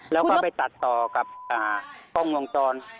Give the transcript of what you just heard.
แล้วก็ไปตัดต่อกับกล้องวงจร